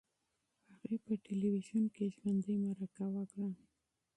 هغې په تلویزیون کې ژوندۍ مرکه وکړه.